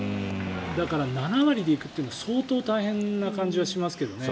だから、７割で行くっていうのは相当大変な感じはしますけどね。